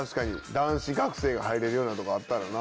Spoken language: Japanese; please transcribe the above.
男子学生が入れるようなとこあったらな。